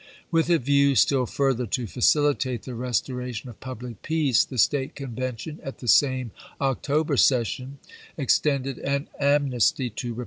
With a view still further to facilitate the restora tion of public peace, the State Convention at the same October session extended an amnesty to re isei.